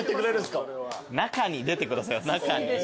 中に出てくださいよ中に。